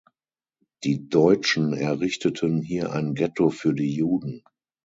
Die Deutschen errichteten hier ein Ghetto für die Juden.